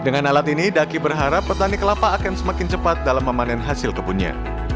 sehingga dari sekarang sampai hari ini dayatri berharap petani kelapa akan semakin cepat dalam memanen hasil kebunnya